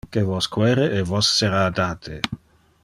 Que vos quere e vos sera date.